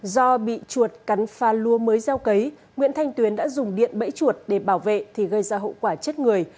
do bị chuột cắn pha lúa mới gieo cấy nguyễn thanh tuyến đã dùng điện bẫy chuột để bảo vệ thì gây ra hậu quả chết người